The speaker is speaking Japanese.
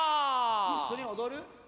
一緒に踊る？